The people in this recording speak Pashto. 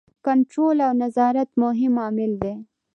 کنټرول او نظارت مهم عامل دی.